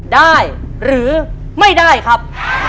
ได้หรือไม่ได้ครับ